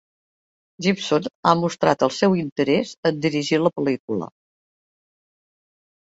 Gibson ha mostrat el seu interès en dirigir la pel·lícula.